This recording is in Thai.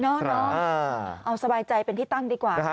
น้องเอาสบายใจเป็นที่ตั้งดีกว่า